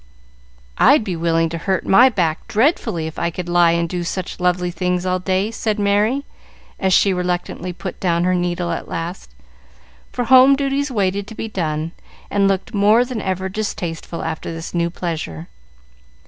"I'd be willing to hurt my back dreadfully, if I could lie and do such lovely things all day," said Merry, as she reluctantly put down her needle at last, for home duties waited to be done, and looked more than ever distasteful after this new pleasure.